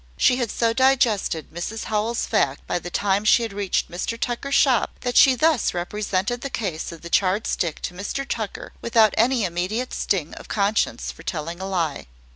She had so digested Mrs Howell's fact by the time she had reached Mr Tucker's shop, that she thus represented the case of the charred stick to Mr Tucker without any immediate sting of conscience for telling a lie.